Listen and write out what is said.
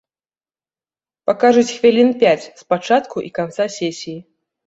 Пакажуць хвілін пяць з пачатку і канца сесіі.